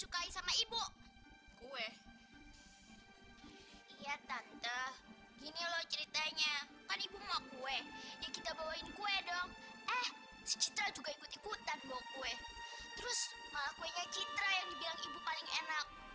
kami menunjukkan perhitungan